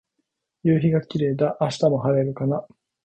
夕陽がキレイだ。明日も晴れるのかな。